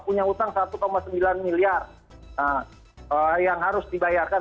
punya utang satu sembilan miliar yang harus dibayarkan